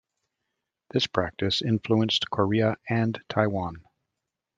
This practice influenced Korea and Taiwan.